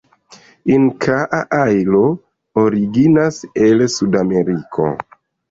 Inkaa ajlo originas el Sudameriko.